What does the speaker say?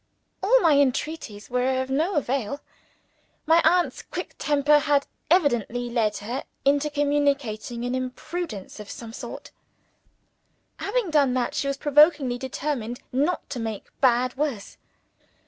All my entreaties were of no avail. My aunt's quick temper had evidently led her into committing an imprudence of some sort. Having done that, she was now provokingly determined not to make bad worse.